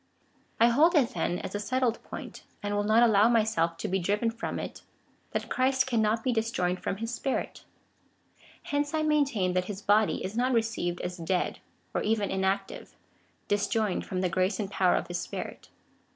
1 liold it, then, as a settled point, and will not allow my self to be driven from it, that Christ cannot be disjoined from his Spirit. Hence I maintain, that his body is not received as dead, or even inactive, disjoined from the grace and power of his Spirit.